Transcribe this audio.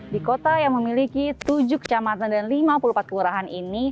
di kota yang memiliki tujuh kecamatan dan lima puluh empat kelurahan ini